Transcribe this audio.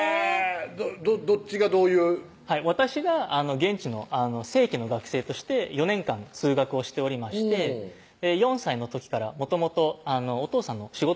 どっちがどういう私が現地の正規の学生として４年間通学をしておりまして４歳の時からもともとお父さんの仕事の関係で